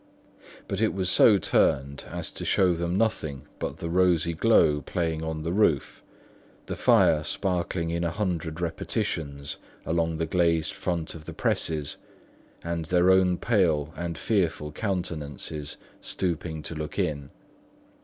But it was so turned as to show them nothing but the rosy glow playing on the roof, the fire sparkling in a hundred repetitions along the glazed front of the presses, and their own pale and fearful countenances stooping to look in.